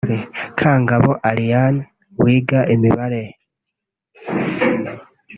Kangabo Ariane wiga Imibare